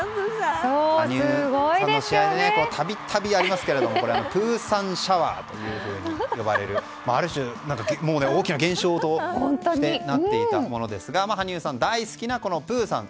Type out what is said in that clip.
羽生さんの試合では度々ありますがプーさんシャワーと呼ばれるある種、大きな現象となっていたものですが羽生さんが大好きなプーさん。